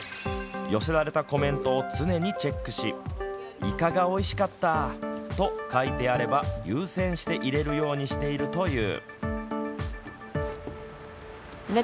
寄せられたコメントを常にチェックしいかがおいしかったと書いてあれば優先して入れるようにしていると言う。